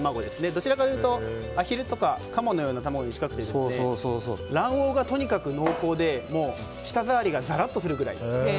どちらかというとアヒルやカモの卵に近くて卵黄がとにかく濃厚で舌触りがザラッとするくらい。